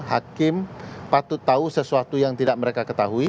hakim patut tahu sesuatu yang tidak mereka ketahui